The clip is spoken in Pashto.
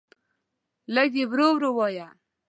لږ یی ورو ورو وایه